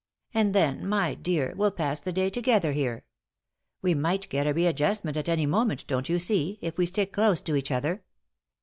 And then, my dear, we'll pass the day together here. We might get a readjustment at any moment, don't you see, if we stick close to each other.